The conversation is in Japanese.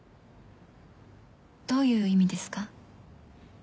どういう意味ですか？